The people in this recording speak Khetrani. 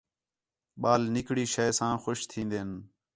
ٻال نِکڑی شے ساں خوش تِھین٘دِن